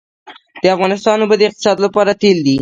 د افغانستان اوبه د اقتصاد لپاره تیل دي